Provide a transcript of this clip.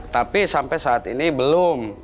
tapi sampai saat ini belum